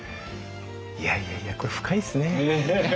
いやいやいやこれ深いですね。